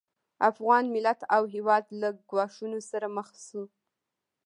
افغان ملت او هېواد له ګواښونو سره مخ شو